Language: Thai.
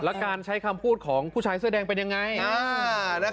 แล้วการใช้คำพูดของผู้ชายเสื้อแดงเป็นยังไง